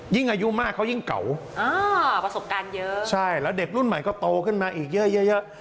อายุมากเขายิ่งเก่าอ่าประสบการณ์เยอะใช่แล้วเด็กรุ่นใหม่ก็โตขึ้นมาอีกเยอะเยอะ